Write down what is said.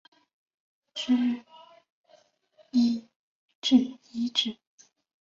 依据战时的日伪档案、日本人在华文献和书籍、日军老兵回忆、战时中国报刊资料、中国受害者和证人的证词